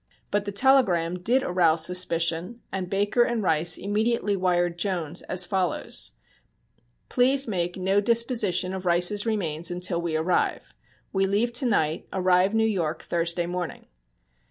But the telegram did arouse suspicion, and Baker and Rice immedately wired Jones as follows: Please make no disposition of Rice's remains until we arrive. We leave to night, arrive New York Thursday morning.